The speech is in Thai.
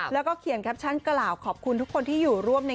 และเขียนกล่าวขอบคุณที่อยู่ร่วมใน